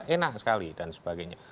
enak sekali dan sebagainya